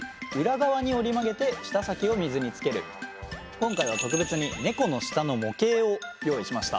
今回は特別にネコの舌の模型を用意しました。